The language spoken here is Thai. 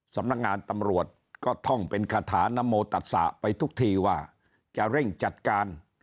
สำนักงานตำรวจก็ท่องเป็นคาถานโมตัดสะไปทุกทีว่าจะเร่งจัดการ